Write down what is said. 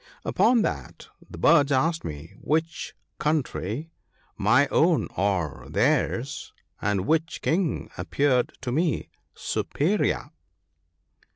Upon that the birds asked me which country, my own or theirs, and which King, appeared to me superior.